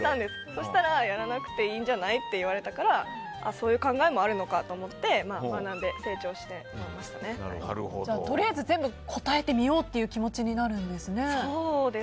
そしたらやらなくていいんじゃないって言われたからそういう考えもあるのかと思ってとりあえず全部答えてみようという気持ちになるんですね。